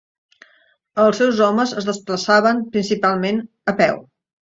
Els seus homes es desplaçaven principalment a peu.